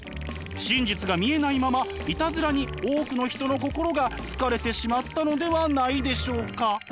真実が見えないままいたずらに多くの人の心が疲れてしまったのではないでしょうか？